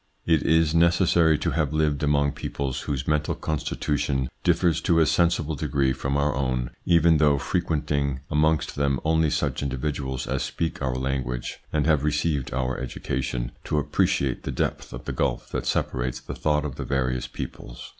It is necessary to have lived among peoples whose mental constitution differs to a sensible degree from our own, even though frequenting amongst them only such individuals as speak our language and have received our education, to appreciate the depth of the gulf that separates the thought of the various peoples.